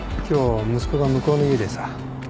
今日息子が向こうの家でさ。